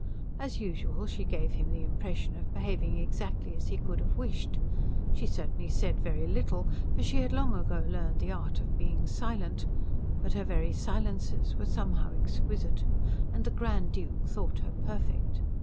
As usual she gave him the impression of behaving exactly as he could have wished. She certainly said very little, for she had long ago learned the art of being silent; but her very silences were somehow exquisite, and the Grand Duke thought her perfect.